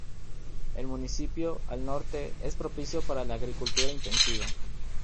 El municipio, al norte, es propicio para la agricultura intensiva.